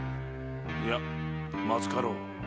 いやまずかろう。